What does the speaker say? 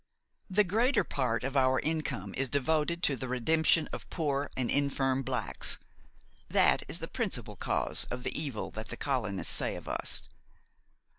The greater part of our income is devoted to the redemption of poor and infirm blacks. That is the principle cause of the evil that the colonists say of us.